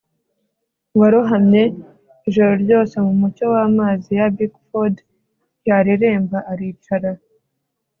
uwarohamye ijoro ryose mumucyo wamazi ya bickford yareremba aricara